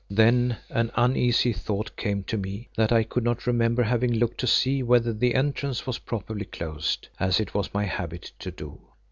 Then an uneasy thought came to me that I could not remember having looked to see whether the entrance was properly closed, as it was my habit to do.